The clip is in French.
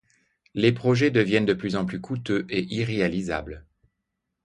Les projets deviennent de plus en plus coûteux et irréalisables.